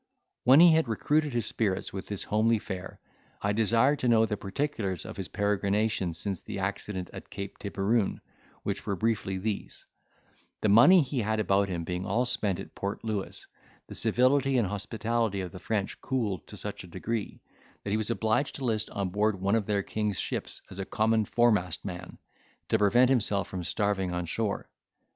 When he had recruited his spirits with this homely fare, I desired to know the particulars of his peregrination since the accident at Cape Tiberoon, which were briefly these: The money he had about him being all spent at Port Louis, the civility and hospitality of the French cooled to such a degree, that he was obliged to list on board one of their king's ships as a common foremast man, to prevent himself from starving on shore.